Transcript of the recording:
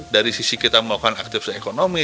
dari sisi kita melakukan aktivitas ekonomi